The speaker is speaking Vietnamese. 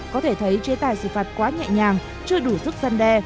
có thể thấy chế tài xử phạt quá nhẹ nhàng chưa đủ sức dân đe